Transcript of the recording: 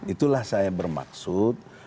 itulah saya bermaksud